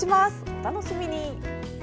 お楽しみに！